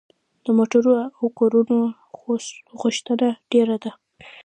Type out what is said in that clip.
د موټرو او کورونو غوښتنه ډیره ده.